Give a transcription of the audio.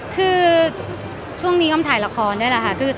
คืกช่วงนี้ช่วงนี้เข้ามาถ่ายละครด้วยละคะ